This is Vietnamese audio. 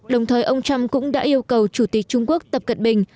đồng thời ông trump cũng đã yêu cầu chủ tịch trung quốc tập cận bình